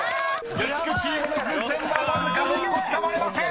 ［月９チームの風船はわずか６個しか割れません］